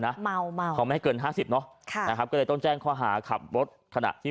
รถมันอยู่เทินก็ไม่ได้เยอะอะพี่